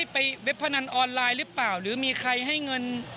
เว็บพนันออนไลน์หรือเปล่าหรือมีใครให้เงิน